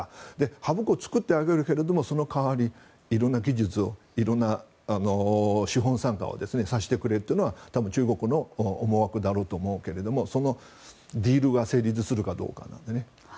ハブ港を作ってあげるけれどもその代わりに色んな技術、色んな資本参加をさせてくれというのは多分中国の思惑だと思うけれどもそのディールが成立するかということですね。